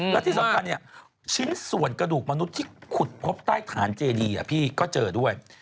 และที่สำคัญชิ้นส่วนกระดูกมนุษย์ที่ขุดพบใต้ฐานเจดีพี่ก็เจอด้วย